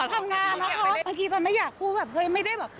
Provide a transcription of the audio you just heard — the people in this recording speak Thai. บางทีจะไม่อยากพูดกับเว้ยไม่ได้แบบ